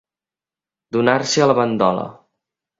Donar-se a la bandola.